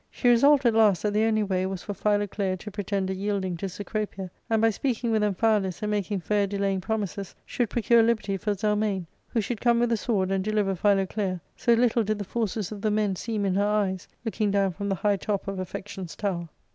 She resolved at last that the only way was for Philoclea to pretend a yielding to Cecropia, and, by speaking with Amphialus and making fair delaying promises, should procure liberty for Zelmane, who should come with a sword and deliver Philoclea, so little did the forces of the men seem in her eyes, looking down from the high top of affection's tower.